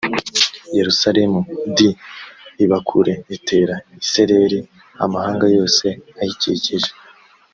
yerusalemu d ibakure itera isereri amahanga yose ayikikije